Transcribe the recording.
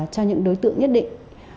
cho những đối tượng nhất định